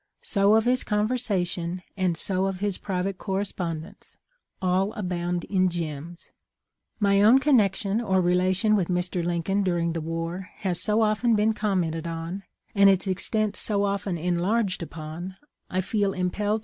So of his conversation, and so of his private correspondence ; all abound in gems. " My own connection or relation with Mr. Lincoln during the war has so often been commented on, and its extent so often enlarged upon, I feel impelled 524 ^^E LIFE OF LINCOLN.